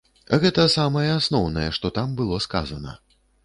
Гэта самае асноўнае, што там было сказана.